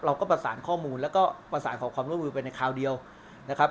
เราก็ประสานข้อมูลแล้วก็ประสานขอความร่วมมือไปในคราวเดียวนะครับ